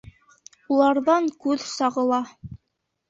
Уларҙан күҙ сағыла.